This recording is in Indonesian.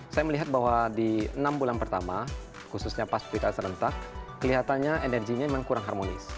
saya melihat bahwa di enam bulan pertama khususnya pas pilkada serentak kelihatannya energinya memang kurang harmonis